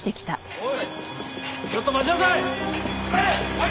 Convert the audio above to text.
おい！